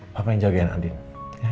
papa yang jagain andin